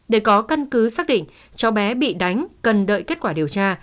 để có căn cứ xác định cháu bé bị đánh cần đợi kết quả điều tra